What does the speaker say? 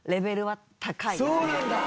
そうなんだ！